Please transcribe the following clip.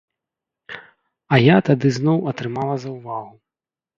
А я тады зноў атрымала заўвагу.